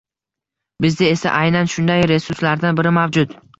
Bizda esa aynan shunday resurslardan biri mavjud.